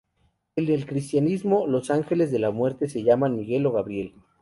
En el cristianismo los ángeles de la muerte se llaman Miguel o Gabriel.